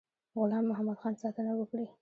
غلام محمدخان ساتنه وکړي.